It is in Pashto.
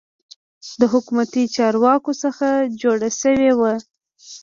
د حکومتي چارواکو څخه جوړه شوې وه.